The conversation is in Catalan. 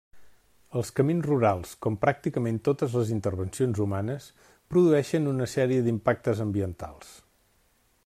Els camins rurals, com pràcticament totes les intervencions humanes, produeixen una sèrie d'impactes ambientals.